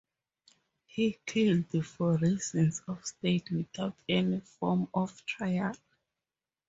He killed for reasons of state without any form of trial.